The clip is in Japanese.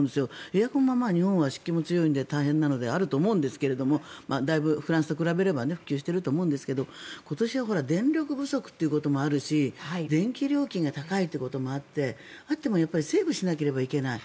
エアコンも日本は湿気が強いので大変なのであると思うんですけれどもフランスと比べれば普及していると思うんですが今年は電力不足ということもあるし電気料金が高いということもあってセーブしなければいけない。